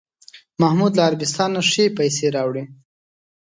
محمود له عربستانه ښې پسې راوړې.